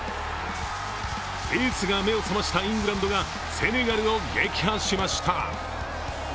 エースが目を覚ましたイングランドがセネガルを撃破しました。